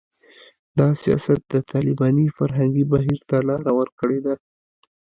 دا سیاست د طالباني فرهنګي بهیر ته لاره ورکړې ده